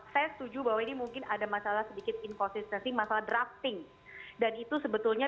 saya setuju bahwa ini mungkin ada masalah sedikit inkonsistensi masalah drafting dan itu sebetulnya